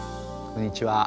こんにちは。